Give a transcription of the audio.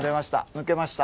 抜けました。